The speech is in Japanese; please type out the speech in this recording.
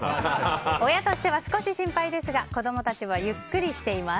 親としては少し心配ですが子供たちはゆっくりしています。